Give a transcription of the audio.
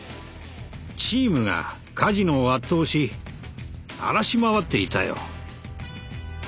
チームがカジノを圧倒し荒らし回っていたよ。